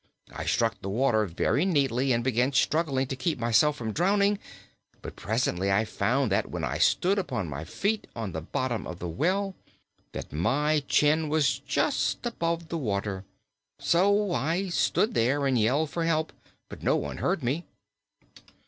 I struck the water very neatly and began struggling to keep myself from drowning, but presently I found that when I stood upon my feet on the bottom of the well, that my chin was just above the water. So I stood still and yelled for help; but no one heard me."